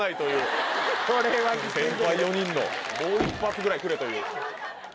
先輩４人のもう一発ぐらいくれという。